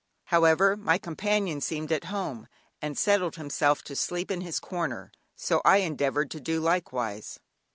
However my companion seemed at home, and settled himself to sleep in his corner, so I endeavoured to do likewise.